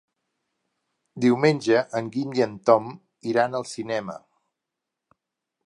Diumenge en Guim i en Tom iran al cinema.